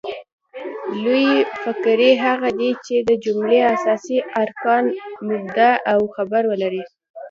لویي فقرې هغه دي، چي د جملې اساسي ارکان مبتداء او خبر ولري.